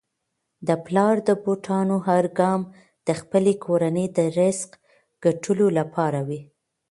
د پلار د بوټانو هر ګام د خپلې کورنی د رزق ګټلو لپاره وي.